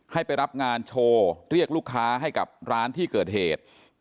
ให้ไปรับงานโชว์เรียกลูกค้าให้กับร้านที่เกิดเหตุ